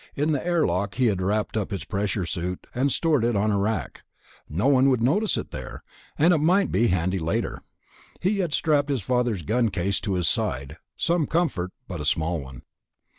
In the airlock he had wrapped up his pressure suit and stored it on a rack; no one would notice it there, and it might be handy later. He had strapped his father's gun case to his side, some comfort, but a small one.